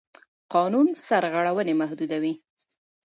قانون سرغړونې محدودوي.